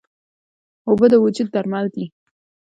اوبه د وجود درمل دي.